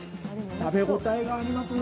食べ応えがありますね。